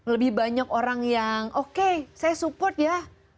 lebih banyak orang yang oke saya support ya